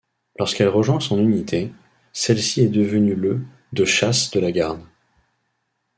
Lorsqu'elle rejoint son unité, celle-ci est devenue le de chasse de la Garde.